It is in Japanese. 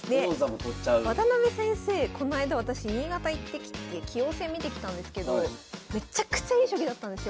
渡辺先生こないだ私新潟行ってきて棋王戦見てきたんですけどめちゃくちゃいい将棋だったんですよ。